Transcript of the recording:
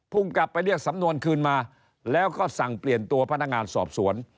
กลับไปเรียกสำนวนคืนมาแล้วก็สั่งเปลี่ยนตัวพนักงานสอบสวน